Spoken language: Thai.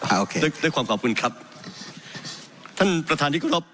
โอเคด้วยความขอบคุณครับ